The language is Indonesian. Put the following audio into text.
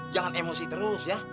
jangan emosi terus ya